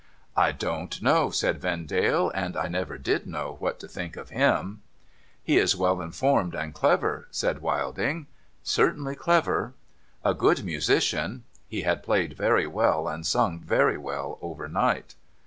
'' I don't know,' said Vendale, 'and I never did know, what to think of him,' Sio NO THOROUGHFARE * He is well informed and clever,' said ^^'ilding. ' Certainly clever,' 'A good musician.' (He had played very well, and sung very well, overnight.)